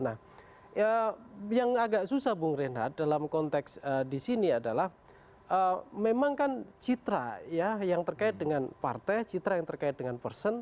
nah yang agak susah bung reinhardt dalam konteks di sini adalah memang kan citra ya yang terkait dengan partai citra yang terkait dengan person